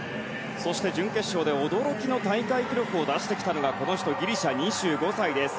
準決勝で驚きの大会記録を出してきたのがこの人、ギリシャの２５歳です。